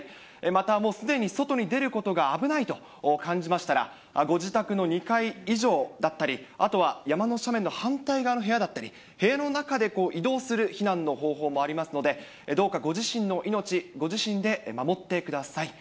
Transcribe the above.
また、もうすでに外に出ることが危ないと感じましたら、ご自宅の２階以上だったり、あとは山の斜面の反対側の部屋だったり、部屋の中で移動する避難の方法もありますので、どうかご自身の命、ご自身で守ってください。